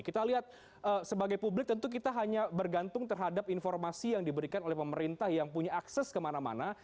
kita lihat sebagai publik tentu kita hanya bergantung terhadap informasi yang diberikan oleh pemerintah yang punya akses kemana mana